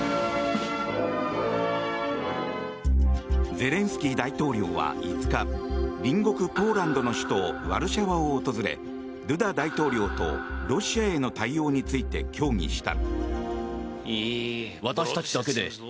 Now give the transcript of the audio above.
ゼレンスキー大統領は５日隣国ポーランドの首都ワルシャワを訪れドゥダ大統領とロシアへの対応について協議した。